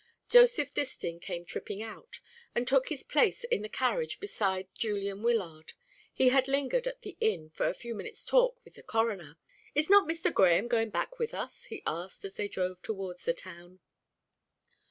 Joseph Distin came tripping out, and took his place in the carriage beside Julian Wyllard. He had lingered at the inn for a few minutes' talk with the Coroner. "Is not Mr. Grahame going back with us?" he asked, as they drove towards the town.